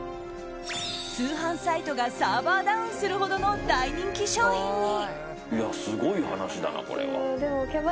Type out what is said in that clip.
通販サイトがサーバーダウンするほどの大人気商品に。